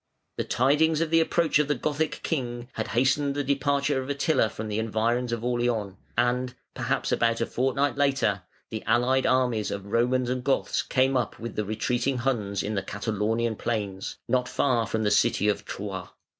The tidings of the approach of the Gothic king had hastened the departure of Attila from the environs of Orleans, and, perhaps about a fortnight later, the allied armies of Romans and Goths came up with the retreating Huns in "the Catalaunian plains" not far from the city of Troyes.